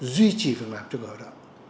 duy trì việc làm cho lao động